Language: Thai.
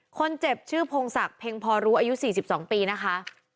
คนเจ็บชื่อพงศักดิ์เพ็งพอรู้อายุ๔๒ปีนะคะ